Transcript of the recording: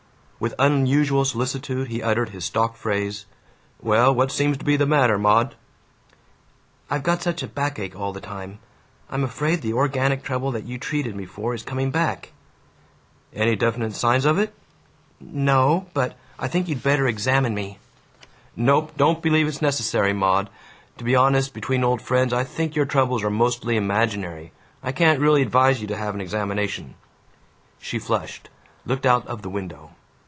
With unusual solicitude he uttered his stock phrase, "Well, what seems to be the matter, Maud?" "I've got such a backache all the time. I'm afraid the organic trouble that you treated me for is coming back." "Any definite signs of it?" "N no, but I think you'd better examine me." "Nope. Don't believe it's necessary, Maud. To be honest, between old friends, I think your troubles are mostly imaginary. I can't really advise you to have an examination." She flushed, looked out of the window.